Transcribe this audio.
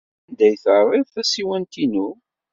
Sanda ay terrid tasiwant-inu?